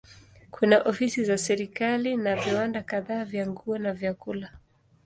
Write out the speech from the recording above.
Kuna ofisi za serikali na viwanda kadhaa vya nguo na vyakula.